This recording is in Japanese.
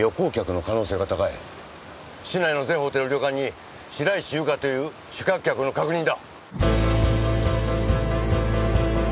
市内の全ホテル旅館に白石ゆかという宿泊客の確認だ。